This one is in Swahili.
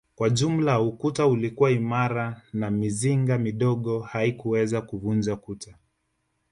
Kwa jumla ukuta ulikuwa imara na mizinga midogo haikuweza kuvunja kuta